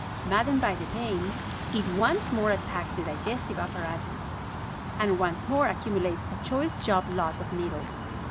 Maddened by the pain, it once more attacks the digestive apparatus, and once more accumulates a choice job lot of needles.